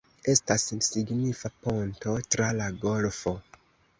Estas signifa ponto tra la golfo.